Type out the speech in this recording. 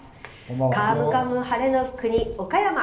カムカム晴れの国、岡山。